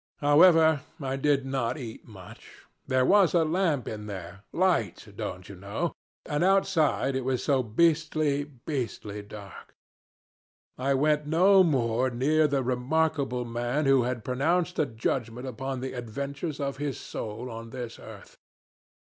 However, I did not eat much. There was a lamp in there light, don't you know and outside it was so beastly, beastly dark. I went no more near the remarkable man who had pronounced a judgment upon the adventures of his soul on this earth.